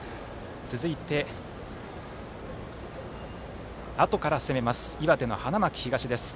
続いて、あとから攻めます岩手の花巻東です。